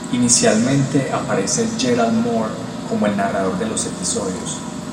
Inicialmente aparece Gerald Mohr como el narrador de los episodios.